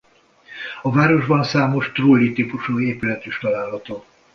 A városban számos trulli-stílusú épület is található.